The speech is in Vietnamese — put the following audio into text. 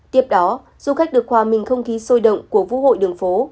tiếp đó du khách được hòa mình không khí sôi động của vũ hội đường phố